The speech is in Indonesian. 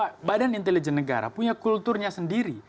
kulturnya bg negara punya kulturnya sendiri